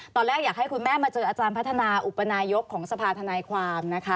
ตอนแรกอยากให้คุณแม่มาเจออาจารย์พัฒนาอุปนายกของสภาธนายความนะคะ